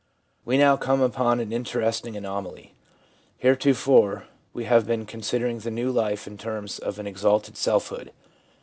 We now come upon an interesting anomaly. Heretofore we have been considering the new life in terms of an exalted selfhood.